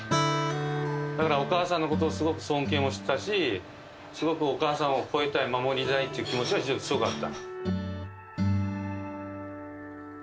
だからお母さんのことをすごく尊敬もしてたしお母さんを超えたい守りたいっていう気持ちが強かった。